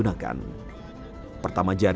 ortodrom idi serta penjuru